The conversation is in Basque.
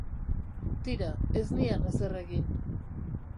Tira, ez nian ezer egin.